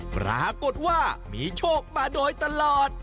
ปรากฏว่ามีโชคมาโดยตลอด